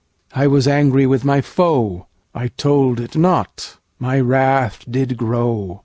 I was angry with my foe:I told it not, my wrath did grow.